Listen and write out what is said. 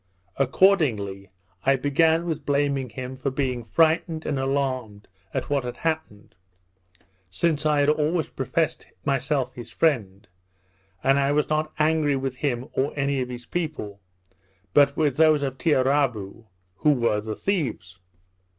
Accordingly, I began with blaming him for being frightened and alarmed at what had happened, since I had always professed myself his friend, and I was not angry with him or any of his people, but with those of Tiarabou, who were the thieves.